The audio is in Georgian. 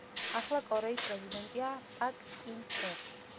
ახლა კორეის პრეზიდენტია პაკ კინ ჰე.